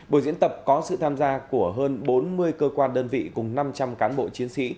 buổi diễn tập có sự tham gia của hơn bốn mươi cơ quan đơn vị cùng năm trăm linh cán bộ chiến sĩ